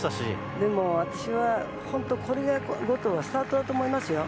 でも私は、本当これが、後藤にはスタートだと思いますよ。